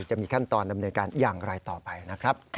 จะมีขั้นตอนดำเนินการอย่างไรต่อไปนะครับ